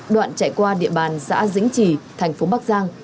đoạn chạy qua địa bàn xã dĩnh trì thành phố bắc giang